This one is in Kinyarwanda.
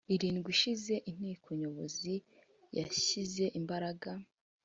irindwi ishize Inteko Nyobozi yashyize imbaraga